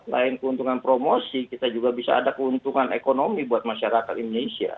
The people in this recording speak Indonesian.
selain keuntungan promosi kita juga bisa ada keuntungan ekonomi buat masyarakat indonesia